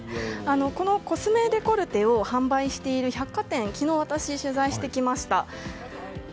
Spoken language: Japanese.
このコスメデコルテを販売している百貨店を昨日、私取材してきました。